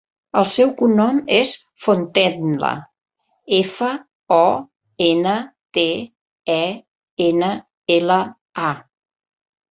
El seu cognom és Fontenla: efa, o, ena, te, e, ena, ela, a.